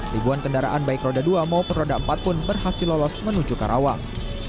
ribuan kendaraan baik roda dua maupun roda empat pun berhasil lolos menuju karawang